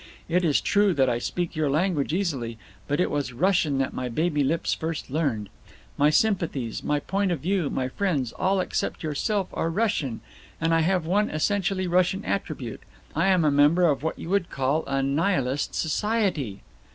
It is true that I speak your language easily, but it was Russian that my baby lips first learned. My sympathies, my point of view, my friends, all except yourself, are Russian. And I have one essentially Russian attribute, I am a member of what you would call a Nihilist society."